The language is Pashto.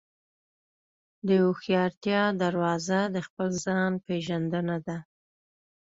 د هوښیارتیا دروازه د خپل ځان پېژندنه ده.